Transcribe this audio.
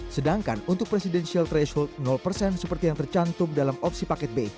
sedangkan untuk presidensial threshold persen seperti yang tercantum dalam opsi paket b